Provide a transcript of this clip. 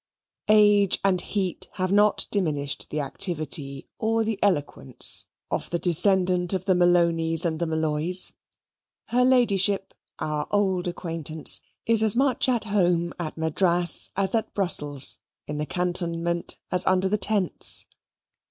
Age and heat have not diminished the activity or the eloquence of the descendant of the Malonys and the Molloys. Her Ladyship, our old acquaintance, is as much at home at Madras as at Brussels in the cantonment as under the tents.